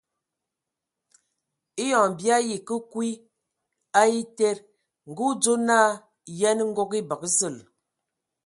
Eyon bii ayi ke kwi a ete, ngə o dzo naa :Yənə, ngɔg e bəgə zəl !